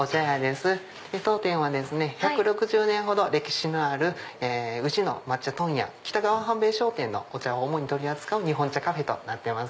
当店はですね１６０年ほど歴史のある宇治の抹茶問屋北川半兵衞商店のお茶を主に取り扱う日本茶カフェとなってます。